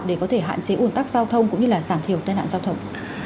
để có thể hạn chế ủn tắc giao thông cũng như là giảm thiểu tai nạn giao thông